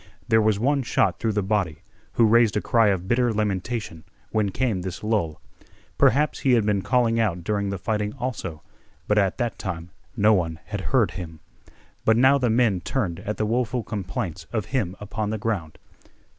There was one shot through the body, who raised a cry of bitter lamentation when came this lull. Perhaps he had been calling out during the fighting also, but at that time no one had heard him. But now the men turned at the woeful complaints of him upon the ground.